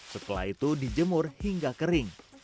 setelah itu dijemur hingga kering